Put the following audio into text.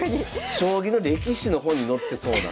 将棋の歴史の本に載ってそうな。